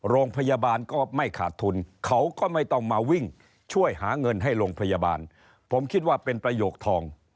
โรงพยาบาลก็ไม่ขาดทุนเขาก็ไม่ต้องมาวิ่งช่วยหาเงินให้โรงพยาบาลผมคิดว่าเป็นประโยคทอง